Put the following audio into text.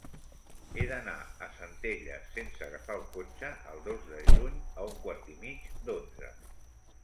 He d'anar a Centelles sense agafar el cotxe el dos de juny a un quart i mig d'onze.